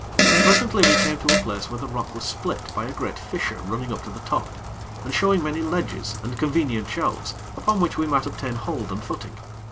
Presently, we came to a place where the rock was split by a great fissure running up to the top, and showing many ledges and convenient shelves upon which we might obtain hold and footing.